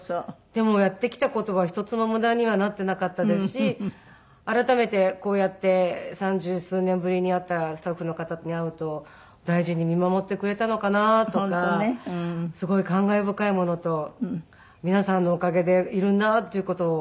でもやってきた事は１つも無駄にはなってなかったですし改めてこうやって三十数年ぶりに会ったスタッフの方に会うと大事に見守ってくれたのかなとかすごい感慨深いものと皆さんのおかげでいるんだっていう事を。